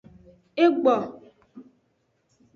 Egbo.